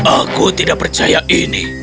aku tidak percaya ini